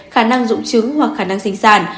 khả năng dụng trứng hoặc khả năng sinh sản